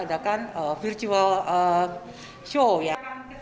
bahkan virtual show ya